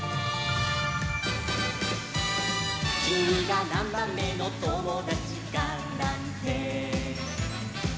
「きみがなんばんめのともだちかなんて」